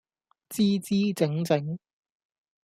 姿姿整整